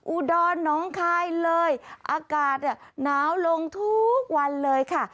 อุดอนน้องคายเลยอากาศน้าวลงทุกวันเลยค่ะ